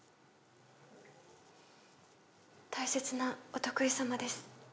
大切なお得意さまです。